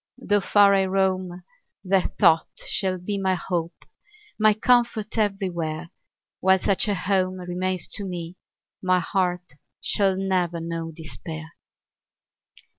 Though far I roam, that thought shall be My hope, my comfort, everywhere; While such a home remains to me, My heart shall never know despair!